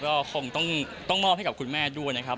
ก็คงต้องมอบให้กับคุณแม่ด้วยนะครับ